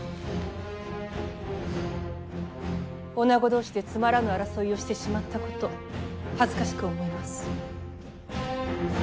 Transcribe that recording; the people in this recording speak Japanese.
女子同士でつまらぬ争いをしてしまったこと恥ずかしく思います。